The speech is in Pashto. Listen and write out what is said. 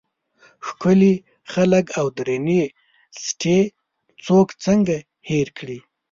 ښکلي خلک او درنې سټې څوک څنګه هېر کړي.